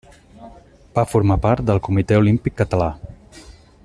Va formar part del Comitè Olímpic Català.